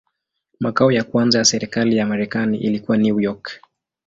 Makao ya kwanza ya serikali ya Marekani ilikuwa New York.